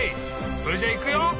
それじゃいくよ！